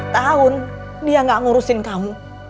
dua puluh dua tahun dia gak ngurusin kamu